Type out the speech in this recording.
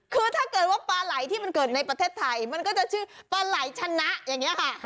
คือถ้าเกิดว่าปลาไหล่ที่มันเกิดในประเทศไทยมันก็จะชื่อปลาไหล่ชนะอย่างนี้ค่ะ